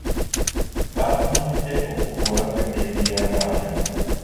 Baavumiridde okuvvoola kw'eddembe ly'abaana.